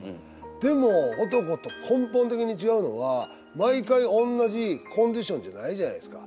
でも男と根本的に違うのは毎回おんなじコンディションじゃないじゃないですか。